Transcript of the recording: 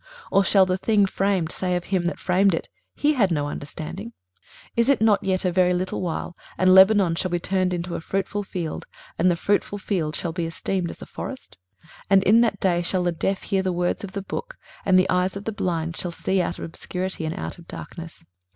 or shall the thing framed say of him that framed it, He had no understanding? 23:029:017 Is it not yet a very little while, and Lebanon shall be turned into a fruitful field, and the fruitful field shall be esteemed as a forest? 23:029:018 And in that day shall the deaf hear the words of the book, and the eyes of the blind shall see out of obscurity, and out of darkness.